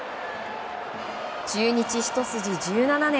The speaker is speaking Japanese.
中日ひと筋１７年。